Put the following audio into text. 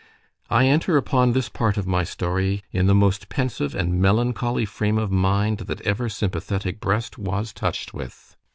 I enter upon this part of my story in the most pensive and melancholy frame of mind that ever sympathetic breast was touched with.